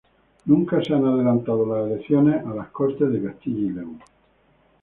Nunca se han adelantado las elecciones a las Cortes de Castilla y León.